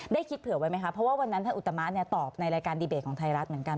คิดเผื่อไว้ไหมคะเพราะว่าวันนั้นท่านอุตมะตอบในรายการดีเบตของไทยรัฐเหมือนกัน